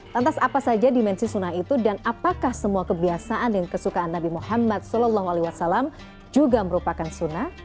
lantas apa saja dimensi sunnah itu dan apakah semua kebiasaan dan kesukaan nabi muhammad saw juga merupakan sunnah